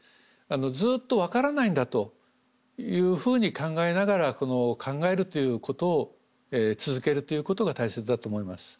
ずっと分からないんだというふうに考えながら考えるということを続けるということが大切だと思います。